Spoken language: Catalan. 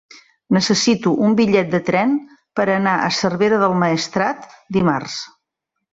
Necessito un bitllet de tren per anar a Cervera del Maestrat dimarts.